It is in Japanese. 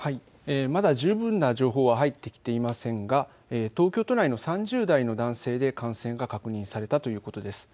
まだ十分な情報は入ってきていませんが東京都内の３０代の男性で感染が確認されたということです。